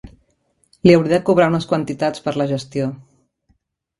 Li hauré de cobrar unes quantitats per la gestió.